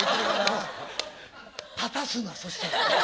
立たすなそしたら。